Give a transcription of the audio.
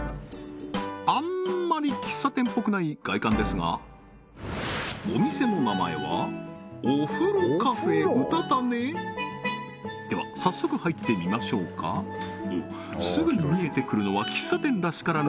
あんまり喫茶店ぽくない外観ですがお店の名前はおふろカフェｕｔａｔａｎｅ？では早速入ってみましょうかすぐに見えてくるのは喫茶店らしからぬ